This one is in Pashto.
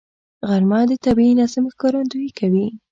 غرمه د طبیعي نظم ښکارندویي کوي